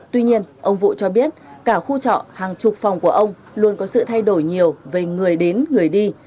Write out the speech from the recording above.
tuy nhiên ông vũ cho biết cả khu trọ hàng chục phòng của ông luôn có sự thay đổi nhiều về người đến người đi